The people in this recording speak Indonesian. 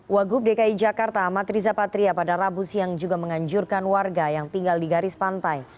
wagub dki jakarta amat riza patria pada rabu siang juga menganjurkan warga yang tinggal di garis pantai